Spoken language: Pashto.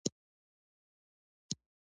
انګور د افغانستان د اقلیمي نظام یوه ښکارندوی ده.